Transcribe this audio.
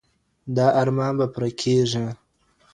دا ارمان به پوره کيږي.